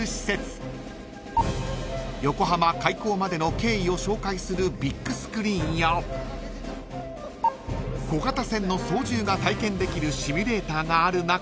［横浜開港までの経緯を紹介するビッグスクリーンや小型船の操縦が体験できるシミュレーターがある中］